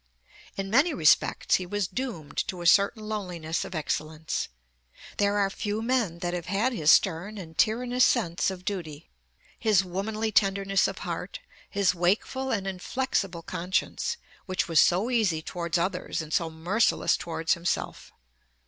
In many respects he was doomed to a certain loneliness of excellence. There are few men that have had his stern and tyrannous sense of duty, his womanly tenderness of heart, his wakeful and inflexible conscience, which was so easy towards others and so merciless towards himself.